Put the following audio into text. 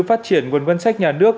phát triển nguồn vân sách nhà nước